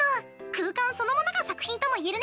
空間そのものが作品ともいえるね。